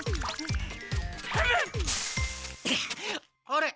あれ？